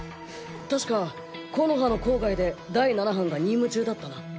たしか木ノ葉の郊外で第七班が任務中だったな。